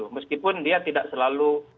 meskipun dia tidak selalu